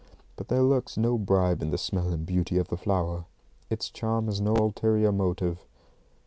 But there lurks no bribe in the smell and beauty of the flower. It's charm has no ulterior motive.